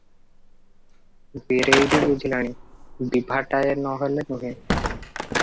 ବୀରେଇବି ବୁଝିଲାଣି, ବିଭାଟାଏ ନ ହେଲେ ନୁହେଁ ।